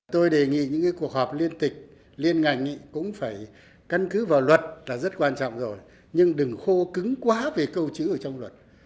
tôi đề nghị những cuộc họp liên tịch liên ngành cũng phải căn cứ vào luật là rất quan trọng rồi nhưng đừng khô cứng quá về câu chữ ở trong luật